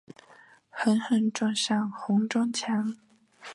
狠狠撞上红砖墙